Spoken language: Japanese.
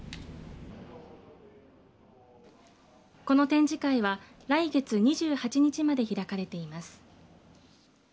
この展示会は来月２８日まで開かれています。